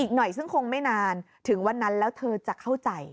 อีกหน่อยซึ่งคงไม่นานถึงวันนั้นแล้วเธอจะเข้าใจ